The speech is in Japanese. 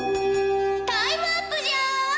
タイムアップじゃ！